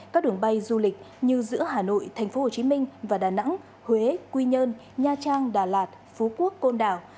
các đường bay du lịch như giữa hà nội tp hcm và đà nẵng huế quy nhơn nha trang đà lạt phú quốc côn đảo